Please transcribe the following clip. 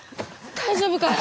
大丈夫かい？